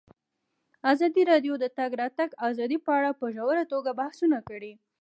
ازادي راډیو د د تګ راتګ ازادي په اړه په ژوره توګه بحثونه کړي.